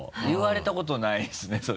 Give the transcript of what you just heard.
言われたことないですね